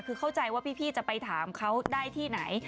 คือเข้าใจว่าพี่จะไปถามเขาได้ที่ไหน